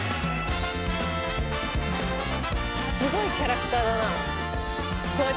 すごいキャラクターだな。